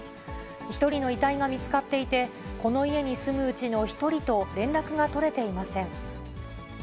１人の遺体が見つかっていて、この家に住むうちの１人と連絡が取れていません。